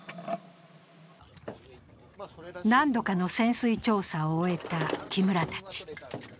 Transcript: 何度かの潜水調査を終えた木村たち。